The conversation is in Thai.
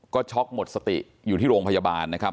ก็ช็อกหมดสติอยู่ที่โรงพยาบาลนะครับ